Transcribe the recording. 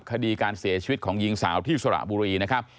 คดีการเสียชีวิตของหญิงสาวที่สระบุรีนะครับ